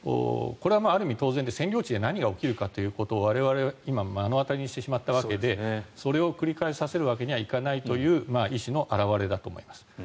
これはある意味当然で占領地で何が起きるのかということを我々は今目の当たりにしてしまったわけでそれを繰り返させるわけにはいかないという意思の表れだと思います。